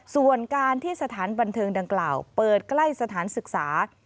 ส่วนการที่สถานบันเทิงดังกล่าวเปิดใกล้สถานศึกษา